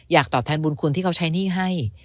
ตอบแทนบุญคุณที่เขาใช้หนี้ให้